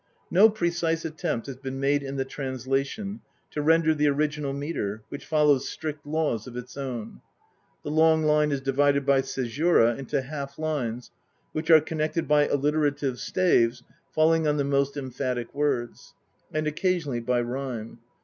No precise attempt has been made in the translation to render the original metre, which follows strict laws of its own ; the long line is divided by caesura into half lines, which are connected by alliterative staves falling on the most emphatic words, and occasionally by rhyme.